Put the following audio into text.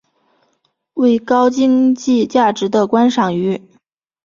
为高经济价值的观赏鱼。